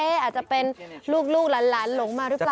อาจจะเป็นลูกหลานหลงมาหรือเปล่า